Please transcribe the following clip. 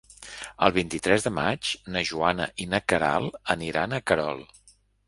El vint-i-tres de maig na Joana i na Queralt aniran a Querol.